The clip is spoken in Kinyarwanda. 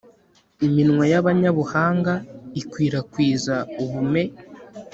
iminwa y'abanyabuhanga ikwirakwiza ubume.